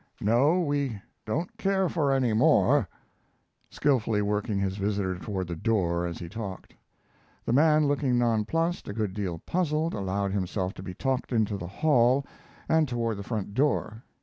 No, we don't care for any more," skilfully working his visitor toward the door as he talked. The man, looking non plussed a good deal puzzled allowed himself to be talked into the hall and toward the front door.